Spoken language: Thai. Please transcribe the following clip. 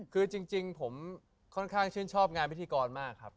คือจริงผมค่อนข้างชื่นชอบงานพิธีกรมากครับ